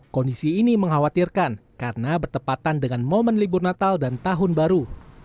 kondisi ini mengkhawatirkan karena bertepatan dengan momen libur natal dan tahun baru